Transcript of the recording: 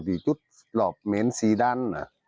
ดีจ๊๊ดลอบเมนซีดัน